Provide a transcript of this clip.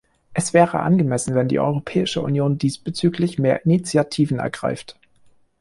Es wäre angemessen, wenn die Europäische Union diesbezüglich mehr Initiativen ergreift.